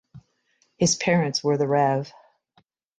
His parents were the Rev.